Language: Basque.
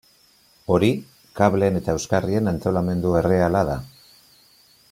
Hori, kableen eta euskarrien antolamendu erreala da.